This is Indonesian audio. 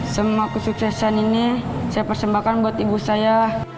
semua kesuksesan ini saya persembahkan buat ibu saya